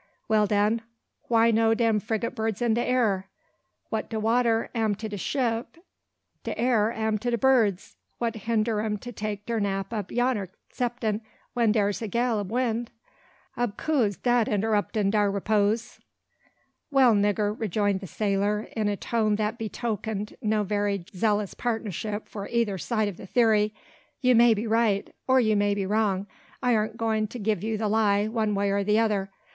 Well, den: why no dem frigate birds in de air? What de water am to de ship de air am to de birds. What hinder 'em to take dar nap up yonner, 'ceptin' when dar's a gale ob wind? Ob coos dat u'd interrup' dar repose." "Well, nigger," rejoined the sailor, in a tone that betokened no very zealous partisanship for either side of the theory, "you may be right, or you may be wrong. I ar'n't goin' to gi'e you the lie, one way or t' other.